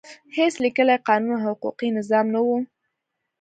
هېڅ لیکلی قانون او حقوقي نظام نه و.